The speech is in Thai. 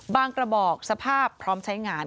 กระบอกสภาพพร้อมใช้งาน